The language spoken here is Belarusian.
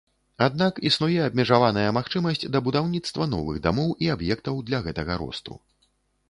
Аднак існуе абмежаваная магчымасць да будаўніцтва новых дамоў і аб'ектаў для гэтага росту.